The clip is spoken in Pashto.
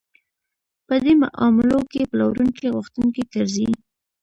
په دې معاملو کې پلورونکی غوښتونکی ګرځي